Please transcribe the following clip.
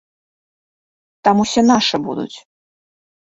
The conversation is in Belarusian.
Там усе нашы будуць.